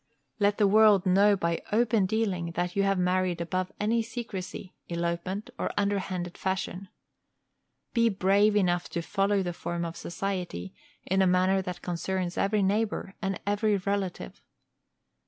Let the world know by open dealing that you have married above any secrecy, elopement, or underhanded fashion. Be brave enough to follow the form of society in a manner that concerns every neighbor and every relative.